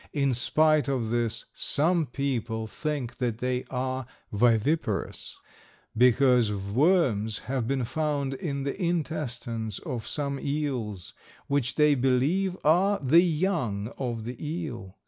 In spite of this some people think that they are viviparous, because worms have been found in the intestines of some eels, which they believe are the young of the eel.